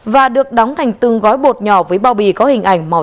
và được đóng thành từng gói bột nhỏ với bao bì có hình ảnh màu sắc bắt mắt